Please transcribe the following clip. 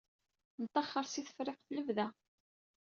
Neṭṭaxer si Tefriqt i lebda.